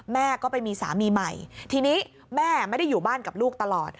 แม่ก็ไปมีสามีใหม่ทีนี้แม่ไม่ได้อยู่บ้านกับลูกตลอด